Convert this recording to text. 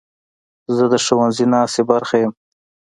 زه د ښوونځي ناستې برخه یم.